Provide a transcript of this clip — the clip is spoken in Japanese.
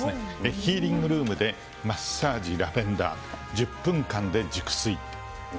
ヒーリングルームでマッサージラベンダー、１０分間で熟睡。